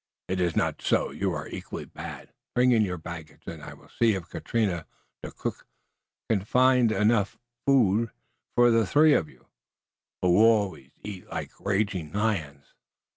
"It iss not so. You are equally bad. Bring in your baggage und I will see if Caterina, der cook, cannot find enough for you three, who always eat like raging lions."